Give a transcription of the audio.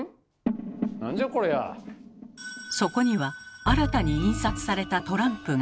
そこには新たに印刷されたトランプが。